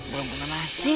belum makan nasi